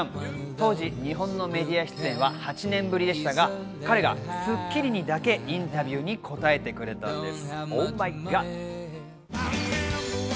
当時、日本のメディア出演は８年ぶりでしたが、彼が『スッキリ』にだけインタビューに答えてくれたんです。